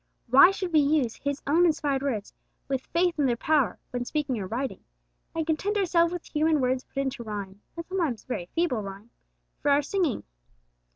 Why should we use His own inspired words, with faith in their power, when speaking or writing, and content ourselves with human words put into rhyme (and sometimes very feeble rhyme) for our singing?